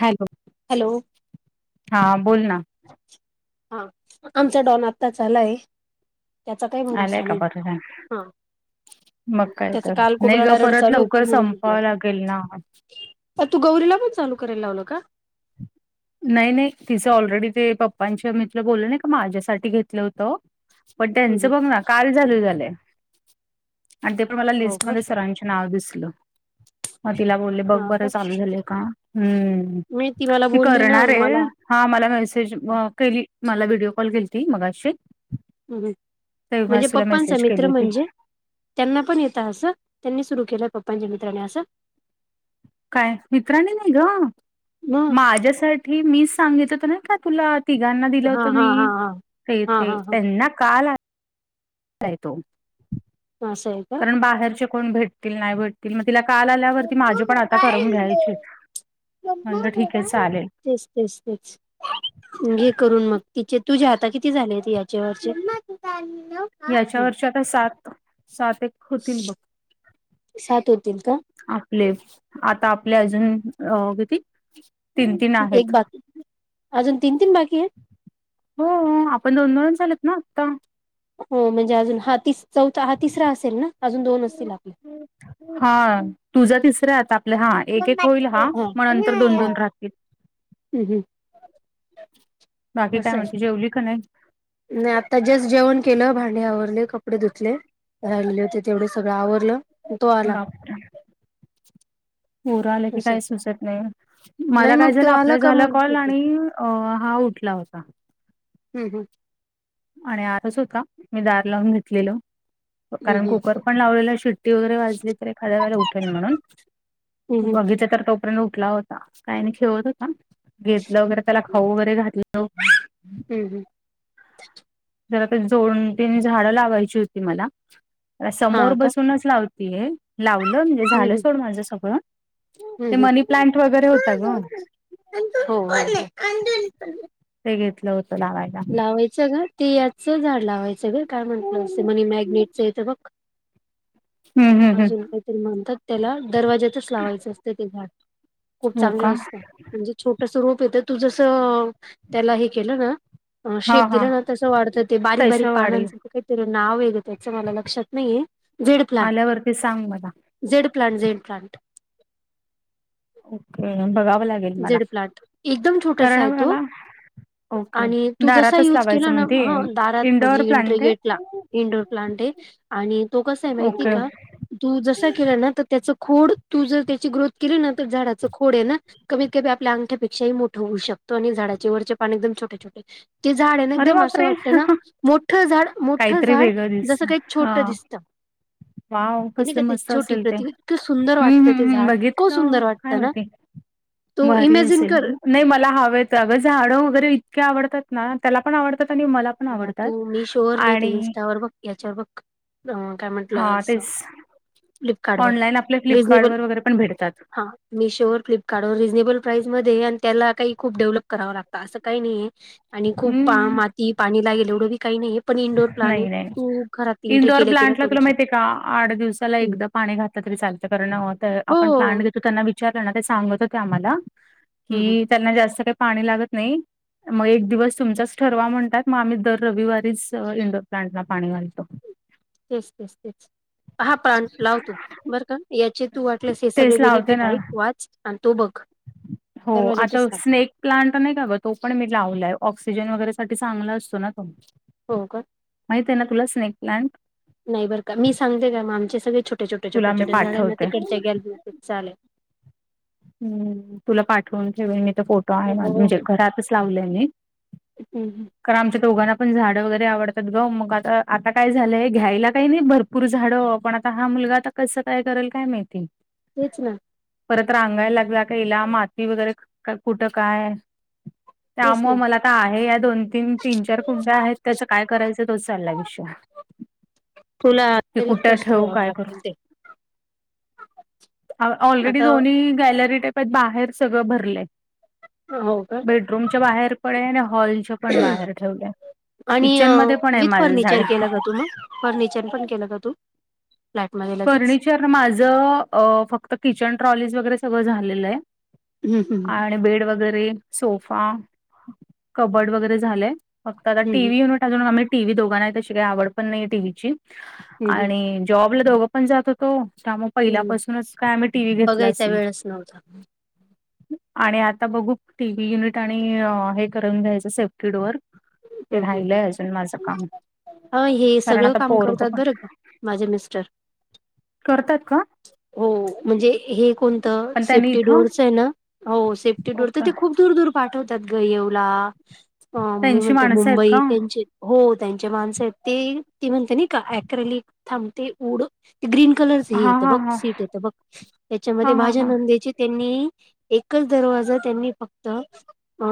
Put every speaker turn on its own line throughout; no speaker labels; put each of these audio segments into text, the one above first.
Hello.
Hello.
हा बोल ना.
हा आमचा डॉन आत्ताच आलाय. त्याचा काही
आलाय
भरोसा
का
नाही
बर झाल.
हा
मग काय
त्याच
तर
काल खूप
नाही ग
रडारड
परत
चालू होती
लवकर
म्हणून
संपावं लागेल ना.
तू गौरीला पण चालू करायला लावलं का?
नाही नाही तिचं ऑलरेडी ते पप्पांचे मित्र बोललं नाही का माझ्यासाठी घेतलं होतं पण त्यांच
हो
बघ ना काल झाल झालय आणि ते पण मला लिस्ट
का
मध्ये सरांच्या - नांव दिसलं मं तिलां बोलले बघं
हा
बरं
का
चालूं झालं कां हम्मं
मी मला
ती
बोलली ना
करणारं आहे
मला
हां मलां मेसेज केली मलां व्हिडिओ कॉल केली तरं मगाशी
म्हणंजे
तेव्हाच तुला
पप्पांचा
मेसेज केली
मित्रं
होती
म्हंणजे त्यांनां पणं येतं असं त्यांनी सुरु केलं पप्पांच्या मित्रांने असं
कायं मित्रांनी नाहीं गं
मग
माझ्यांसाठी मीचं सांगितलंत नाहीं कां तुलां तिघांना दिलं
हा
होतं
हा हा
मी
हा
ते
हा हा
ते त्यांनां कांल
हा असं आहे का
कारणं बाहेरचे कोणं भेटतीलं नाहीं भेट तं मंग तिलां कांल आल्यांवरती
मम्मा
मांझे पणं आतां करवूंन
मोबाईल दे,
घ्यांयचे म्हणलं ठीकं आहे चालेलं
तेचं तेचं तेचं हेे करूंन मंग तिचे तुझें आतां किती झांले यांच्यावर
यांच्या वरचे आतां सांत सांत एक होतीलं बघं
सात होतील का
हां आपले आतां आपले अजूंन किती तीन तीन
एक
आहेत
बांकी अजूंन तीनं तीनं बांकी आहेतं
हो आपणं दोन दोन झालंय नं आतां
हो म्हणजे अजूंन हां तीस चौथा हां तिसरां असेलं नां अजूंन दोन असतीलं आपले
हां तुझां तिसऱ्यां आतां आपले हां
हा
एक एक होईलं हां मंग नंतर दोन दोन राहतीलं
हं हं
बांकी कायं म्हणते तुं जेवली कां नाहीं
नाहीं आतां जस्टं जेवणं केलं भांडे आवरले कपडे धुतले राहिल होतें तेवढे सगळं आवरलं तो आला
बांपरे परं आलं की
असं
कांहीं सुचतं नाहीं
नाही
मलां
मग
कायं
तो
झालं
आला
आपलांय
का
झालं
मग
कॉल
देते
आणि अ हां उठलां होतां
हम्मं हं
आणि आतंच होतां मी दांर लावूंन घेतलेलं
हम्म
कारणं
हम्म
कुंकर पणं लावलेलं शिट्टी वगैरें वाजली तरी खांद्या खांयला उठेल म्हणूंन
हम्म हम्म
बगीतल तरं तो प्रणव उठलां होतां कांहीं नाहीं खेळतं होतां घेतलं वगैरें त्यांला खाऊं वगैरें घातलं
हम्मं
जरां ते दोन तीनं झाडं लावांयची होती मलां
हा
समोरं
का
बसूनचं लावतं ते लावलं म्हणजे
हम्म
झालं
हम्म
सोड माझं सगळं
हम्म
ते
हम्म
मनीं प्लांट वगैरें होतां गं
नंतर [unintelligible]
ते घेतलं होतं लांवायलां
लावायचं गं ते याचं झाडं लावायचं गं कायं म्हंटलं असतं
हम्म
म्हणे मॅग्नेटचं आहे तरं
हम्म
बघं
हम्म
अजूंन कांहीतरी म्हणतांत त्यांला दरवाज्यांतचं लावायचं असतं ते झाडं खूंप
हो
चांगलं
का
असतं म्हणजे छोटं स्वरूप येतं तूं जसं त्यांला हे केलं नां
हा
शेप
हा
दिलां नां तसं वाढतं ते बारीक बारीक
पैसे वाढेल
पानांच कांहीतरी नांव हेगं त्यांचं मलां कांहीं लक्षांत नाहीये
आल्यांवरती सांग मलां
झेडं प्लांट झेडं प्लांट
ओके बघावं लागेलं
झेडं प्लांट एकदंम छोटसां आहे तो
मला ओके
आणि तूं जसां
दारातच
यूंज
लावायचं
केलां नां
म्हणते
हं दारातं
इंडोअर
म्हणजे इंट्री
प्लांट
गेटं लां
आहे
इंडोर प्लांट आहे आणि तो कसां आहे माहिती आहे
ओके
कां तू जसां केलां नां तरं त्यांची खोडं तूं जरं त्यांची ग्रोथं केली नां तरं झाडाचं खोडं आहे नां कमीतं कमी आपल्यां अंगठपेक्षाही मोठं होऊं शकतो आणि झाडांचे वरचे पाणी एकदंम छोटे छोटे ते झाडं नां
अरे
एकदंम असं
बापरे
वाटतं नां मोठं झाडं मोठं
काहीतरी
झाडं
वेगळं
जसं
दिसत
कांहीं
हा
छोटं दिसतं
वाव
ते नाही
कसलं
काय ते
मस्त
छोटी
असेल ते
प्रति इतकं सुंदर
हम्म
वाटतं, ते
हम्म हम्
झाड इतकं
बघितलं
सुंदर
काय
वाटतं ना
माहिती
तू
भारी
इमेजिन
असेल
कर.
नाही मला हवेत अगं झाडं वगैरे इतके आवडतात ना, त्याला पण आवडतात आणि मला पण
आता
आवडतात
तू मी श्योअर नाही, ते
आणि
इंस्टावर बघ याच्यावर बघ काय
हा
म्हंटलं असं?
तेच
फ्लिपकार्ट वर
ऑनलाईन आपले फ्लिपकार्ट
रिजनेबल
वर वगैरे पण भेटतात
हा मिशो वर फ्लिपकार्टवर रिजनेबल प्राईस मध्येय आणि त्याला काही खूप डेव्हलप करावं लागतं, असं काही नाही आहे. आणि खूप पा-
हम्म
माती पाणी लागेल, एवढं बी काही नाही.
नाही नाही इंडोर
केल्या केल्या
प्लांटला
करू
तुला माहिती,
शकते
आहे का आठ दिवसाला एकदा पाणी घातलं तरी चालतं कारण, अ-त
हो
आपण प्लांट घेत तर त्यांना विचारलं ना ते सांगत होते, आम्हाला
हं, हं.
की त्यांना जास्त काही पाणी लागत नाही. मग एक दिवस तुमचाच ठरवा म्हणतात, मग आम्ही दर रविवारीचं तर इंडोर प्लांट ला पाणी घालतो.
तेच तेच तेच. हा प्लांट लावतो, बरं का याचे तू वाटलेस हे सगळे
तेच लावते
बेनिफिट
ना
ऐक वाचं आणि तो बघ.
हो, आणि
दरवाज्यातच
तो
लाव
स्नेक प्लांट नाही का गं तो पण मी लावलाय, ऑक्सिजन वगैरे साठी चांगला असतो ना तो.
हो का
माहित आहे, ना तुला स्नेक प्लांट?
नाही बरं का मी सांगते, काय मँम आमचे सगळे छोटे छोटे छोटे
तुला मी
छोटे झाड हायना
पाठवते.
तिकडच्या ग्यालरीत [unintelligible]
हम तुला पाठवून ठेवेन, मी तो फो [unintelligible]
हो हो.
म्हणजे घरातच लावलं मी.
हम्म
कारण आमच्या दोघांना पण झाडं वगैरे आवडतात गं, मग आता- आता काय झालंय घ्यायला, काही नाही भरपू भरपूर झाड पण आता हा मुलगा आता कसं काय, करेल काय माहिती?
तेच ना.
परत रांगायला लागला कि हेला माती वगैर, का कुठं काय?
[inaudible] ना.
त्यामुळं मला आ आहे या दोन- तीन, तीन -चार कुंडया आहेत, त्याचं काय करायचं तोच चाललाय विषय.
तुला
की
[unintelligible]
कुठं ठेवू काय करू
लागतील ते.
ऑलरेडी
आता
दोन्ही गॅलरी टपात बाहेर, सगळं भरलयं.
हो का?
बेडरूमच्या बाहेर पण ये, आणि हॉलच्या पण बाहेर ठेवलंय.
आणि
किचन मध्ये पण आहे
विथ
माझं झाड
फर्निचर केलं का तुम्ही, फर्निचर पण केला जातो? फ्लॅटमध्ये लगेच.
पण माझं फक्त किचन ट्रॉलीज वगैरे सगळं झालेलं आहे.
हम्म हम्म
आणि बेड वगैरे सोफा, कबड वगैरे झालंय. फक्त आता टी.
हम्म
व्ही युनिट अजून आम्ही टी. व्ही दोघांना तशी काही आवड पण नाही टीव्हीची.
हम्म
आणि जॉबला दोघं पण जात होतो, त्यामुळे पहिल्या पासूनच काय आम्ही टी. व्ही घेत
त्यावेळेस नव्हत.
आणि आता बघू टी. व्ही युनिट आणि हे करून घ्यायचं, सेफ्टी डोअर. ते राहिलंय अजून माझं काम.
हा हे
कारण
सगळं
आता
काम
पोरग
करतात,
पण
बरं का माझे मिस्टर.
करतात का?
हो, म्हणजे हे कोणतं
पण त्यांनी
सेफ्टी
इथं
डोअरचं आहे, ना हो सेफ्टी डोअच
ओके
ते खूप दूर दूर पाठवतात, गं येवला मी
त्यांची
म्हणते
माणसं आहेत का
मुंबई त्यांचे हो त्यांचे माणसं आहेत, ते ती म्हणते नाही का अक्रेली थांबते उड ते ग्रीन कलरच हे
हा
येत
हा
बघ
हा
सीट ये इत बघ
हा
त्याच्यामध्ये
हा
माझ्या
हा
नंदेची त्यांनी एकच दरवाजा त्यांनी फक्त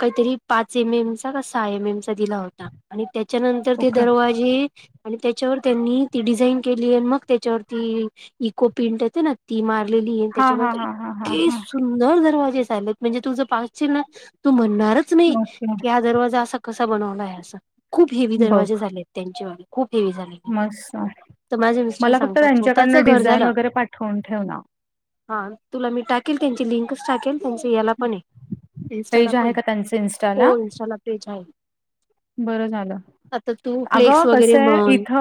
काही तरी, पाच एम एम चा का सहा एम एम चा [unintelligible] दिला होता, आणि त्याच्या नंतर ते
ओके
दरवाजी आणि त्याच्यावर त्यांनी ती डिझाईन केली, आणि मग त्याच्यावर ती इको पिंट येते ना ती मारलेली
हा
त्याच्या,
हा
नंतर
हा हा हा
इतकी
हा
सुं सुंदर दरवाजे चाललेत, म्हणजे तुजं पाहशील ना तू म्हणणारच नाही,
ओके
की हा दरवाजा असा बन अस खूप हेवी
बघ
दरवाजे झाले त्यांच्या व खूप हेवी झालेले
मस्त
तर माझे मिस्टर
मला फक्त
सांगतात स्वतःच
त्यांच्याकडनं
घर
डिझाईन
झालं
वगैरे पाठवून ठेव ना.
हा तुला मी टाकेल त्यांची लिंकच टाकेल त्यांच याला पण आहे इं्स्टाला
पेज
पण
आहे का त्यांचं इन्स्टाला?
हो इनस्टाला पेज आहे
बरं झालं
आता तू फ्लेक्स
अगं
वगैरे
कसं आहे
म्हण
इथ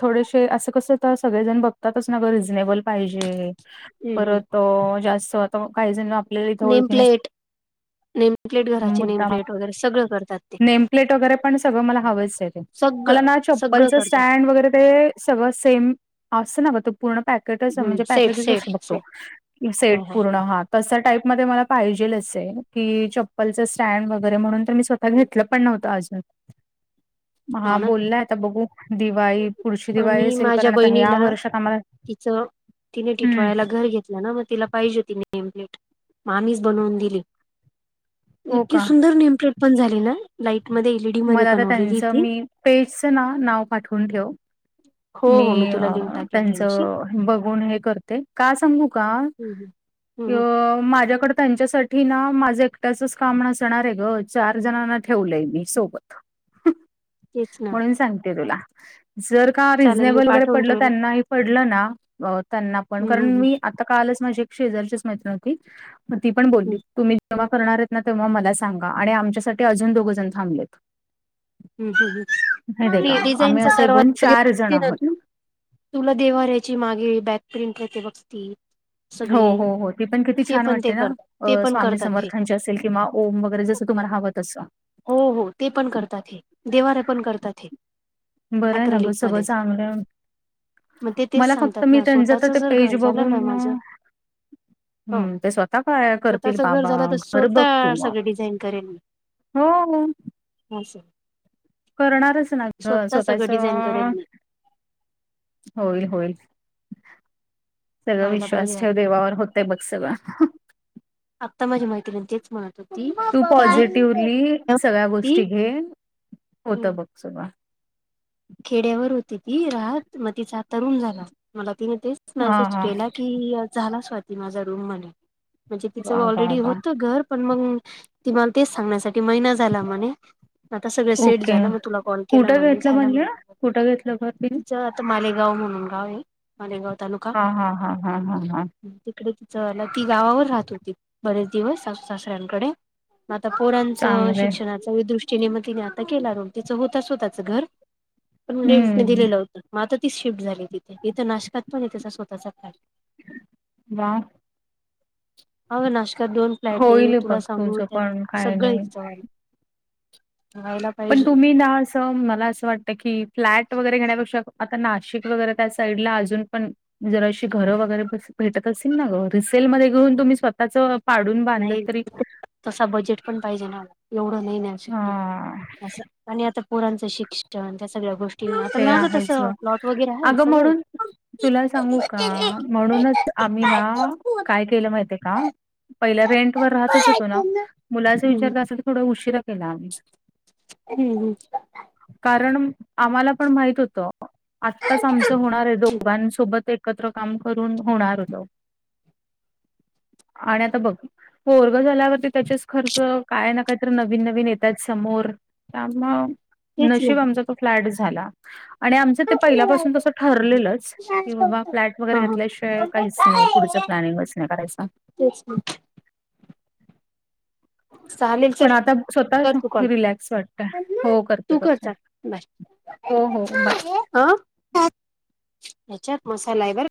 थोडेसे असं कसं तर सगळेजण बघतातच ना ग रिझनेबल पाहिजे परत तो जास्त आता काही जण आपल्याला इथं ओळखी
नेमप्लेट नेमप्लेट
नसल्यामुळे
घराची
मुद्दाम
नेमप्लेट वगैरे सगळं करतात ते
[unintelligible] वगैरे
सगळं सगळं करतात
ते सगळं सेम अस पूर्ण
हम्म
म्हणजे
सेट
पॅकेजस अस
सेट
बघतो
सेट
सेट
हो हो
पूर्णात तस टाईप मध्ये मला पाहिजेल अस आहे की चप्पलचं स्टँड वगैरे म्हणून तर मी स्वतः घेतलं पण नव्हतं आज
[unintelligible]
हा
ना
बोलला आता बघू दिवाळी पुढची दिवाळी
आम्ही
असेल
माझ्या
कारण आता ह्या
बहिणीला
वर्षात आम्हाला
तिचं तिने
हम्म
टिटवाळ्याला घर घेतलं ना मग तिला पाहिजे त नेमप्लेट आम्च बनवून दिली
हो
इतकी
का
सुंदर नेमप्लेट पण झाली ना लाईट म
मला आ त्यांचं मी पेजचं ना नाव पाठवून ठेव
हो
मी
हो तुला लिंक टाकेल त्यांची
त्यांचं बघून हे करते का सांगू का
हम्म हम्म हम्म
किंवा माझ्याकडे त्यांच्यासाठी ठी ना माझं एकट्याचच काम नसणार आहे ग चार जणांना ठेवलंय मी सोबत
तेच ना
म्हणून सांगते तुला जर का
चालेल मी
रिझनेबल वगरे
पाठवून
पडल
ठेवला
त्यांना पडलं ना त्यांना पण
हम्म
कारण
हम्म हम्म
मी आता कालच माझी एक शेजारचीच मैत्रीिण होती ग ती पण बोलली
हम्म
तुम्ही जेव्हा करणार आहेत ना तेव्हा मला सांगा आणि आमच्यासाठी अजून दोघं जण थांबलेत
ह फ
माहिती आहे का आम्ही
डिझाईनचा
असे
तरवाज
एकूण चार जण
वगैर
आहोत
तुला देवाारयची मागे बॅक प्रिंट आहेते बघती
हो हो हो ते पण किती छान
पण ते
वाटते ना
करतात
अ
ते पण
स्वामी
करतात हे
समर्थन जे असेल किंवा ओम वगैरे जसं तुम्हाला हवत असं
हो हो ते पण करतात हे देवाऱ्या पण करतात हे
बरं आहे ना ग
अक्रलिक
सगळं
मध्ये
चांगलं
मग ते तेच
मला फक्त
सांगतात
मी
ना
त्यांच तर
स्वतःच
ते
जर
पेज
घर झालं
बघून
ना माझं हो
हम्म ते स्वतः काय करतील
स्वतःच घर
बाबा
झालं तर
घर बघ
स्वतः
तू
सगळं डिझाईन
हो
हां सर
करणारच ना ग स्वतःच
सगळं डिझाईन करेल मी
होईल होईल सगळ
व्हायला
विश्वास
पाहिजे
ठेव देवावर होतय बघ सगळं
आत्ता माझी माहिती तेच म्हणा ती
तू पॉझिटिव्हली सगळ्या गोष्टी
ती
घे होत बघ सु
खेड्यावर होती ती राहत मग तिचा तरुण झाला मला ति नच
हां,
मेसेज
हां.
केला की झाला स्वाती माझ्या रूम मध्ये म्हणजे तिचं
वाह! वाह!
ऑलरेडी
वाह!
होत घर पण मग तिम्हाला तेच सांगण्यासाठी महिना झाला म्हणे आता सगळं सेट
ओके.
झालं मग तुला कॉल केला
कुठं
म्हणे
घेतलं
झाला
म्हणले?
म्हण
कुठं घेतलंर
आता मालेगाव म्हणून गाव आहे मालेगाव तालुका
हां, हां, हां, हां, हां, हां.
तिकडे तिचला ती गावावर राहत होती बरेच दिवस सासऱ्यांकडे म आता पोरांचं
चांगलं आहे.
शिक्षणाच दृष्टीने मग तिने आता केला तिचं होतच होताचं घर पण रेंट
हं,
दिलं होतं मग आता तीच शिफ्ट झाली तिथे इथं नाशकात पण आहे त्याचा स्वतःचा काय.
वा
हव नाश्कात दोन फ्लॅट आहे
होईल
तुला
बघ
सांगू
तुझं पण
त्यात
काही
सगळं
नाही.
एकच हला
पण तुम्ही ना मला असं वाटतं की फ्लॅट वगैरे घेण्यापेक्षा आता नाशिक वगैरे त्या साईडला अजून पण जराशी घरं वगैरे भेटत असेल ना ग रिसेलमध्येध्ये घेऊन तुम्ही स्वतःच
नाही तस बजेट पण पाहिजे ना मला एवढं नाही नाहीशक्य
हां,
असं आणि आता पुोरांचं शिक्षण त्या सगळ्या गोष्टी आता
ते
माझं
आहेच
तसं
गं.
प्लॉट वगैरे आहे
अगं
सगळ
म्हणून तुला सांगू का म्हणूनच आम्ही ना काय? प रें हो
हम्म
विचार उ खिलामी
हम् हम
कारण आम्हाला पण माहित होतं आत्ताच आमचं होणार आहे दोघांसोबत एक एकत्र काम करून होणार जाऊ आणि आता बघ. होरग झाल्यावरती त्याच्याच खर्च काय न का? नवीन नवीन येतात समोर त्या
तेच
आ
ना
त फ्लट झाला आणि आमच ते पहिल्यापासून तस ठरलेलंच. कि बाबा फ्लॅट वगैरे
हा
घेतल्याशिवाय काहीच नाही पुढचं प्लॅनिंगच नाही करायच.
अच्छा चालेल
पण
चल
आता
कर तू
स्वतः
कॉल
रिलॅक्स वाटतय हो करते
तू कर
करते.
चाल
हो हो बाय.
ह हच्यात मसाल्यावर